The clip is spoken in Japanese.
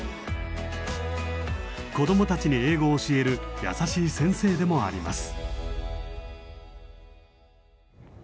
子どもたちに英語を教える優しい先生でもあります。